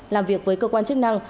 làm việc với cơ quan chức năng